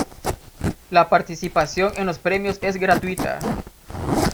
La participación en los premios es gratuita.